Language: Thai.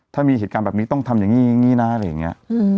ถ้ามีเหตุการณ์แบบนี้ต้องทำอย่างนี้อย่างนี้นะอะไรอย่างนี้